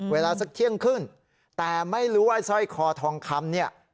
เวลาสักเที่ยงขึ้นแต่ไม่รู้ว่าสร้อยคอทองคำเนี่ย